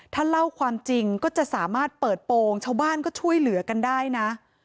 ถ้าเล่าความจริงก็จะสามารถเปิดโปรงชาวบ้านก็ช่วยเหลือกันได้นะ